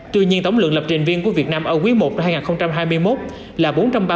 tuy nhiên tổng lượng lập trình viên của việt nam ở quý i năm hai nghìn hai mươi một là bốn trăm ba mươi